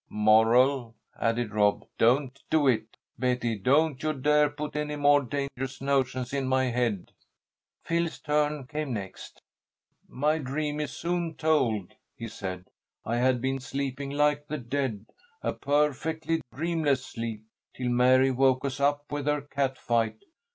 "Moral," added Rob, "don't do it. Betty, don't you dare put any more dangerous notions in my head." Phil's turn came next. "My dream is soon told," he said. "I had been sleeping like the dead a perfectly dreamless sleep till Mary woke us up with her cat fight.